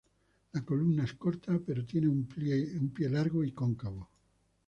La columna es corta, pero tiene un pie largo y cóncavo.